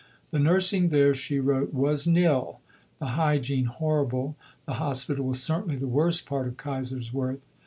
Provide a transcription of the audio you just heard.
"The nursing there," she wrote, "was nil. The hygiene horrible. The hospital was certainly the worst part of Kaiserswerth.